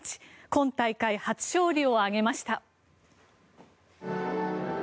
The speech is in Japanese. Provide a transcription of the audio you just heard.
今大会初勝利を挙げました。